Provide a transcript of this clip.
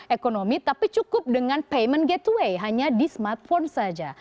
ekonomi tapi cukup dengan payment gateway hanya di smartphone saja